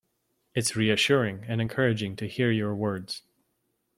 It's reassuring and encouraging to hear your words.